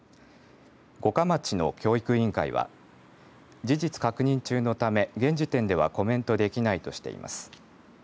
五霞町の教育委員会は事実確認中のため現時点ではコメントできないとしています。